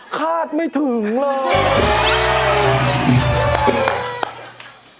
คาดไม่ถึงเลย